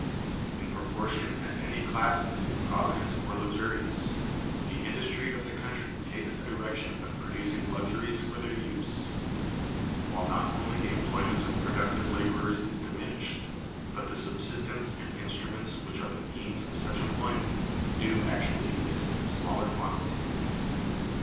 In proportion as any class is improvident or luxurious, the industry of the country takes the direction of producing luxuries for their use; while not only the employment for productive laborers is diminished, but the subsistence and instruments which are the means of such employment do actually exist in smaller quantity.